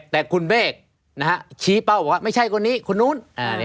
แต่คุณเบศชี้เป้าไม่ใช่คนนี้คนนู้น